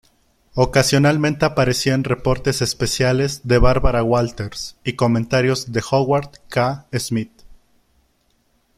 Ocasionalmente aparecían reportes especiales de Barbara Walters y comentarios de Howard K. Smith.